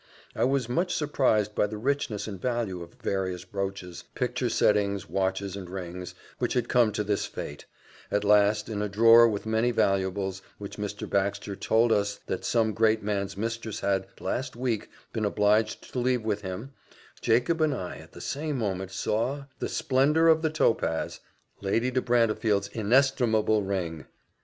I was much surprised by the richness and value of various brooches, picture settings, watches, and rings, which had come to this fate: at last, in a drawer with many valuables, which Mr. Baxter told us that some great man's mistress had, last week, been obliged to leave with him, Jacob and I, at the same moment, saw "the splendour of the topaz" Lady de Brantefield's inestimable ring!